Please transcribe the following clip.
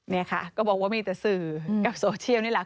นี่ค่ะก็บอกว่ามีแต่สื่อกับโซเชียลนี่แหละ